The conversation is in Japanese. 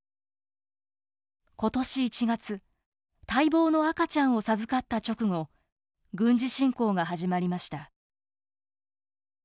今年１月待望の赤ちゃんを授かった直後軍事侵攻が始まりました。